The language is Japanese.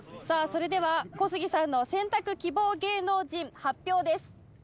それでは小杉さんの選択希望芸能人発表です